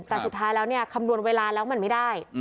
แต่สุดท้ายแล้วเนี่ยคำนวณเวลาแล้วมันไม่ได้